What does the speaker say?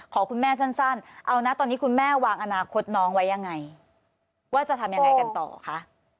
คุณแม่สั้นเอานะตอนนี้คุณแม่วางอนาคตน้องไว้ยังไงว่าจะทำยังไงกันต่อคะ